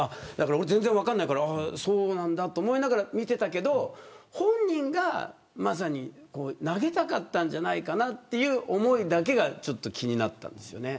俺、全然分からないからそうなんだと思いながら見ていたけど、本人がまさに投げたかったんじゃないかなという思いだけが気になったんですよね。